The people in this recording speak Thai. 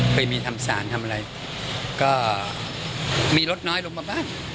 เคยมีทำสารทำอะไรก็มีลดน้อยลงมาบ้าง